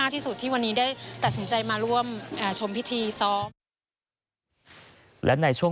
ที่มีโอกาสได้ไปชม